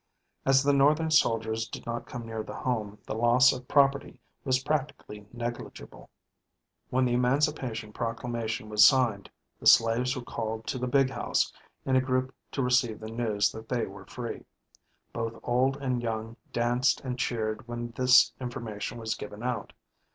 As the Northern soldiers did not come near the home, the loss of property was practically negligible [TR: ' six cents being all' marked out]. When the Emancipation Proclamation was signed, the slaves were called to the "big house" in a group to receive the news that they were free. Both old and young danced and cheered when this information was given out.